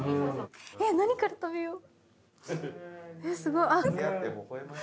え何から食べよう。